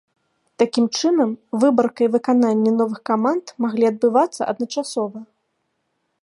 Такім чынам, выбарка і выкананне новых каманд маглі адбывацца адначасова.